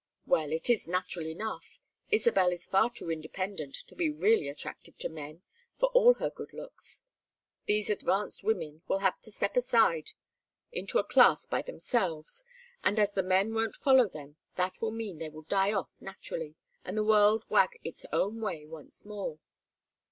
Well, it is natural enough. Isabel is far too independent to be really attractive to men, for all her good looks. These advanced women will have to step aside into a class by themselves, and as the men won't follow them, that will mean they will die off naturally, and the world wag its own old way once more."